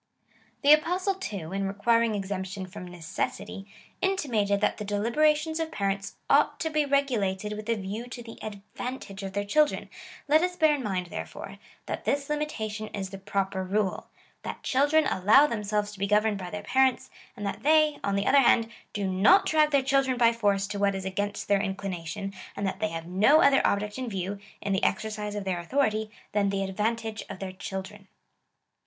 ^ The Apostle, too, in re quiring exemption from necessity,^ intimated that the deli berations of parents ought to be regulated with a view to the advantage of their children. Let us bear in mind, therefore, that this limitation is the proper rule — that children allow themselves to be governed by their parents, and that they, on the other hand, do not drag their children by force to what is against their inclination, and that they have no other object in view, in the exercise of their authority, than the advantage of their children.